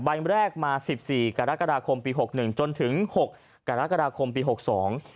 ใบแรกมาสิบสี่กรกฎาคมปีหกหนึ่งจนถึงหกกรกฎาคมปีหกสอง